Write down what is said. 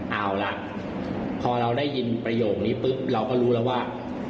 เอาล่ะพอเราได้ยินประโยคนี้ปุ๊บเราก็รู้แล้วว่า